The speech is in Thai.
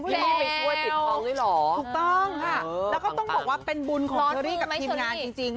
ต้องค่ะต้องบอกว่าเป็นบุญของเฮวรี่กับทิมงานจริง